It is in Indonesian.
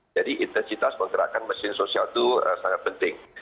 jadi intensitas menggerakkan mesin sosial itu sangat penting